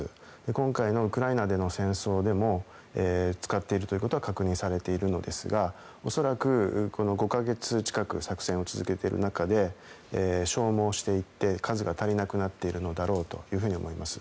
今回のウクライナでの戦争でも使っているということは確認されているのですが恐らくこの５か月近く作戦を続けている中で消耗していって、数が足りなくなっているのだろうと思います。